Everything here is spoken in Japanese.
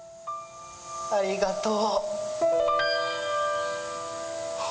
ありがとう。